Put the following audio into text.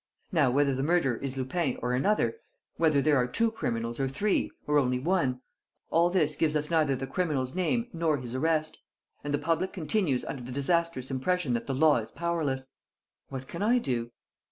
Now whether the murderer is Lupin or another; whether there are two criminals, or three, or only one: all this gives us neither the criminal's name nor his arrest. And the public continues under the disastrous impression that the law is powerless." "What can I do?"